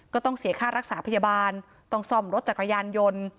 ก็ต้องเสียค่ารักษาพยาบาลต้องซ่อมรถจักรยานยนต์